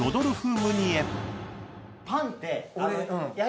パンって。